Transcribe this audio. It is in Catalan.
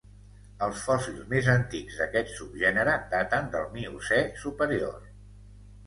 Els fòssils més antics d'aquest subgènere daten del Miocè superior.